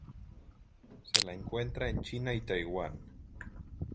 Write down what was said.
Se la encuentra en China y Taiwán.